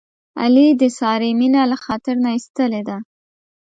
علي د سارې مینه له خاطر نه ایستلې ده.